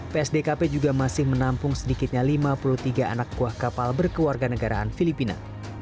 psdkp juga masih menampung sedikitnya lima puluh tiga anak buah kapal berkeluarga negaraan filipina